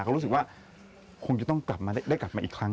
เขารู้สึกว่าคงจะต้องกลับมาได้กลับมาอีกครั้ง